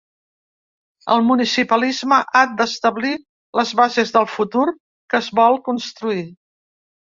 El municipalisme ha d’establir les bases del futur que es vol construir.